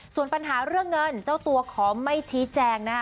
ส่วนปัญหาเรื่องเงินเจ้าตัวขอไม่ชี้แจงนะคะ